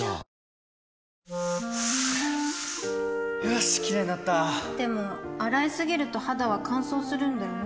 よしキレイになったでも、洗いすぎると肌は乾燥するんだよね